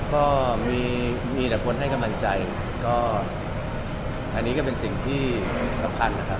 ก็มีมีแต่คนให้กำลังใจก็อันนี้ก็เป็นสิ่งที่สำคัญนะครับ